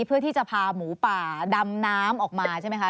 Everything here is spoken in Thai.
เพื่อที่จะพาหมูป่าดำน้ำออกมาใช่ไหมคะ